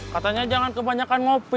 katanya jangan kebanyakan ngopi